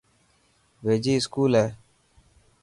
ويجھي اسڪول هي.